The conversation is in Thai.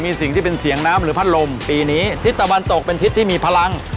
มีสิ่งที่เป็นเสียงน้ำหรือพัดลมปีนี้ทิศตะวันตกเป็นทิศที่มีพลัง